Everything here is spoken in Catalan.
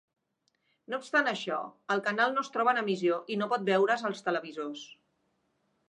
No obstant això, el canal no es troba en emissió i no pot veure's als televisors.